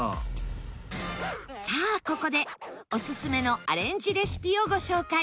さあここでおすすめのアレンジレシピをご紹介。